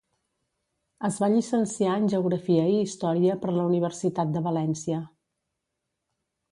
Es va llicenciar en Geografia i Història per la Universitat de València.